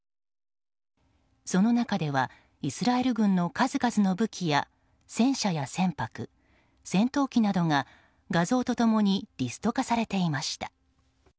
その中ではイスラエル軍の数々の武器や戦車や船舶、戦闘機などが画像と共にリスト化されていました。